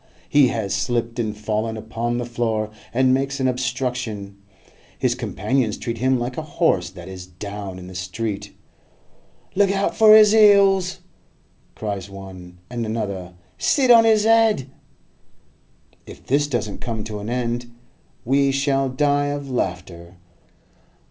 He has slipped and fallen upon the floor, and makes an obstruction; his companions treat him like a horse that is 'down' in the street. 'Look out for his 'eels!' cries one; and another, 'Sit on his 'ed!' If this doesn't come to an end we shall die of laughter.